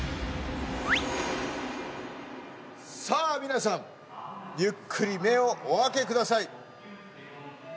さあ皆さんゆっくり目をお開けください。